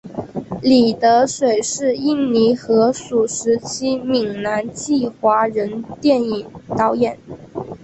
李德水是印尼荷属时期的闽南裔华人电影导演。